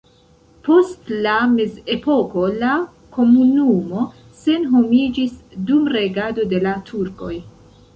Post la mezepoko la komunumo senhomiĝis dum regado de la turkoj.